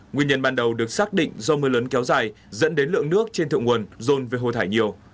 nguyên nhân ban đầu được xác định do mưa lớn kéo dài dẫn đến lượng nước trên thượng nguồn rôn về hồ thải nhiều